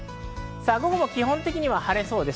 午後も基本的には晴れそうです。